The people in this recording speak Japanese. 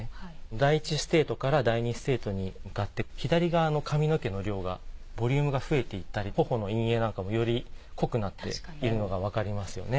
第１ステートから第２ステートに向かって左側の髪の毛の量がボリュームが増えていったり頬の陰影なんかもより濃くなっているのがわかりますよね。